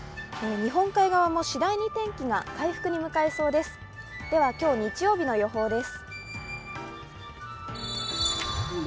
日本海側も次第に天気が回復に向かいそうです。